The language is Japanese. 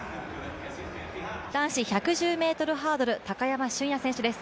男子１１０ｍハードル高山峻野選手です。